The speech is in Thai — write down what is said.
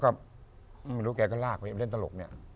ก็ไม่รู้แกก็ลากไปเล่นตลกเนี่ย